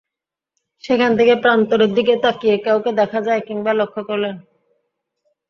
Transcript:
সেখান থেকে প্রান্তরের দিকে তাকিয়ে কাউকে দেখা যায় কিনা লক্ষ্য করলেন।